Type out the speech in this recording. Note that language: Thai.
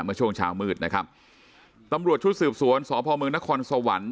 เมื่อช่วงเช้ามืดนะครับตำรวจชุดสืบสวนสพเมืองนครสวรรค์